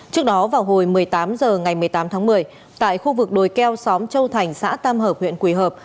trước đó vào hồi một mươi tám h ngày một mươi tám tháng một mươi tại khu vực đồi keo xóm châu thành xã tam hợp huyện quỳ hợp